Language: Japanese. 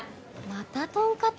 またとんかつ？